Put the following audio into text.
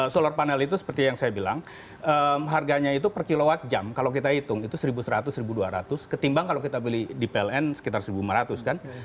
solar panel itu seperti yang saya bilang harganya itu per kilowatt jam kalau kita hitung itu seribu seratus seribu dua ratus ketimbang kalau kita beli di pln sekitar satu lima ratus kan